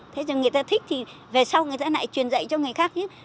thế rồi người ta thích thì về sau người ta lại truyền dạy cho người khác chứ